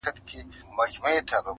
هسي نه چي د قصاب جوړه پلمه سي.!